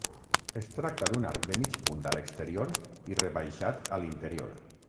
Es tracta d'un arc de mig punt a l'exterior i rebaixat a l'interior.